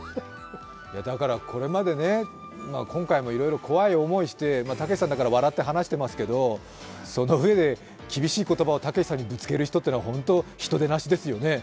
これまで、今回もいろいろ怖い思いをしてたけしさんだから笑って話していますけど、そのうえで厳しい言葉をたけしさんにぶつける人というのは本当に人でなしですよね。